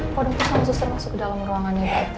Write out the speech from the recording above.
kok dokter sama suster masuk ke dalam ruangannya catherine